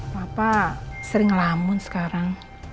papa sering ngelamun sekarang